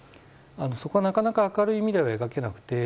そこはなかなか明るい未来は描けなくて。